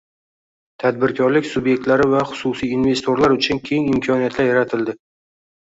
tadbirkorlik sub’ektlari va xususiy investorlar uchun keng imkoniyatlar yaratildi.